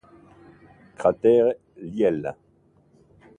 Cratere Lyell